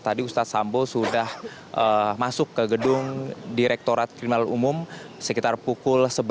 tadi ustadz sambo sudah masuk ke gedung direktorat kriminal umum sekitar pukul sebelas